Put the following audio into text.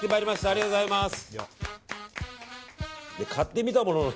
ありがとうございます。